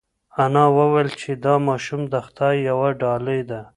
انا وویل چې دا ماشوم د خدای یوه ډالۍ ده.